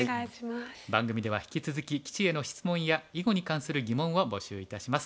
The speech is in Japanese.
番組では引き続き棋士への質問や囲碁に関する疑問を募集いたします。